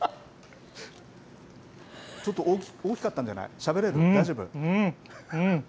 ちょっと大きかったんじゃないしゃべれる、大丈夫。